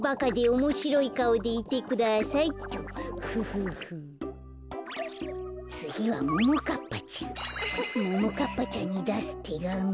ももかっぱちゃんにだすてがみ。